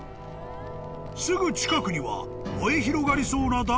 ［すぐ近くには燃え広がりそうな］